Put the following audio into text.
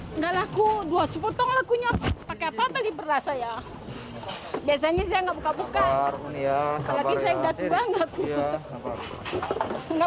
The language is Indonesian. menurut camatan abang